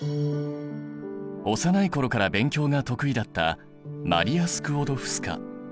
幼い頃から勉強が得意だったマリア・スクウォドフスカ。